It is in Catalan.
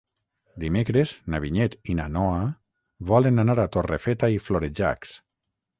Dimecres na Vinyet i na Noa volen anar a Torrefeta i Florejacs.